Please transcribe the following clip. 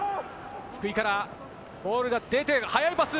福井からボールが出て、速いパス。